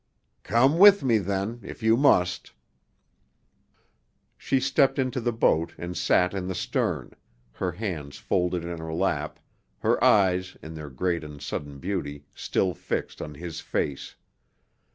"Come with me, then, if you must." She stepped into the boat and sat in the stern, her hands folded in her lap, her eyes in their great and sudden beauty still fixed on his face.